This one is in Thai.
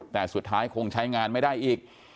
แต่สุดท้ายคงใช้งานไม่ได้อีก